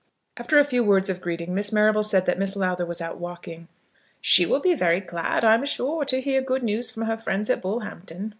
After a few words of greeting Miss Marrable said that Miss Lowther was out walking. "She will be very glad, I'm sure, to hear good news from her friends at Bullhampton."